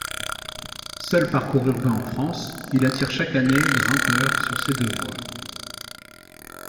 Seul parcours urbain en France, il attire chaque année grimpeurs sur ses deux voies.